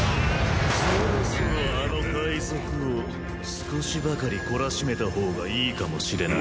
そろそろあの界賊を少しばかり懲らしめたほうがいいかもしれないな。